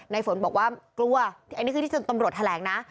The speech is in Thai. ฝนบอกว่ากลัวอันนี้คือที่ตำรวจแถลงนะ